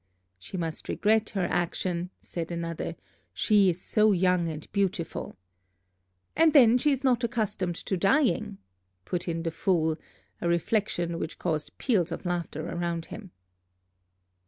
"She must regret her action," said another; "she is so young and beautiful!" "And then she is not accustomed to dying," put in the fool, a reflection which caused peals of laughter around him.